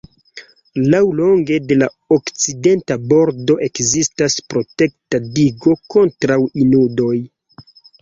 Laŭlonge de la okcidenta bordo ekzistas protekta digo kontraŭ inundoj.